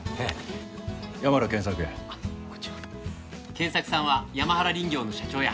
賢作さんは山原林業の社長や。